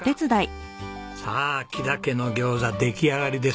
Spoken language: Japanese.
さあ木田家の餃子出来上がりです。